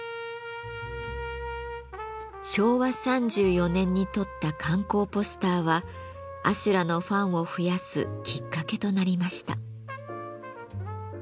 昭和３４年に撮った観光ポスターは阿修羅のファンを増やすきっかけとなりました。